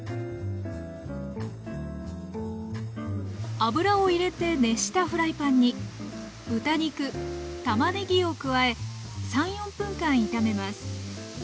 油を入れて熱したフライパンに豚肉たまねぎを加え３４分間炒めます。